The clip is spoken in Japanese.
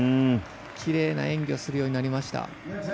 きれいな演技をするようになりました。